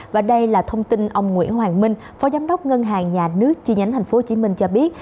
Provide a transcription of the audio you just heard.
và đây là thông tin ông nguyễn hoàng minh phó giám đốc ngân hàng nhà nước chi nhánh tp hcm cho biết